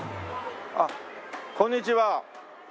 あっこんにちは。